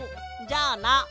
じゃあな」。